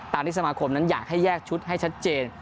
ที่สมาคมนั้นอยากให้แยกชุดให้ชัดเจน